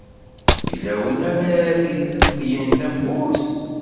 Yella win ara d-iledyen tawwurt?